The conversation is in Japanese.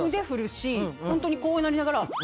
ホントにこうやりながら。